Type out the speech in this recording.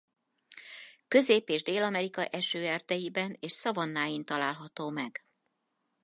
Közép- és Dél-Amerika esőerdeiben és szavannáin található meg.